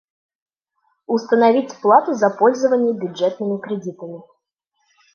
Установить плату за пользование бюджетными кредитами: